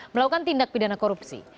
melakukan tindak pidana korupsi